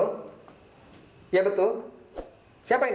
oh iya betul siapa ini